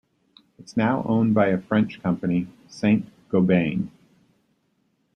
It is now owned by a French company, Saint-Gobain.